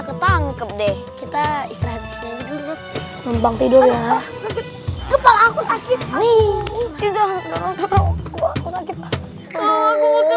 ketangkep deh kita istirahat tidur ya kepala aku sakit nih kita